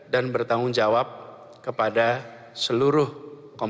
dan bertanggung jawab kepada semua komponen masyarakat